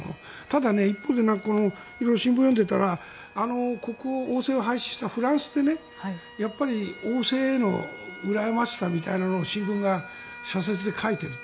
ただ一方で色々新聞を読んでいたら王制を廃止したフランスで、王制へのうらやましさみたいなのを新聞が社説で書いている。